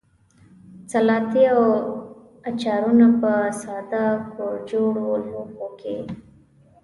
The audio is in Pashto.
سلاتې او اچارونه په ساده کورجوړو لوښیو کې.